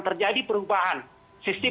terjadi perubahan sisi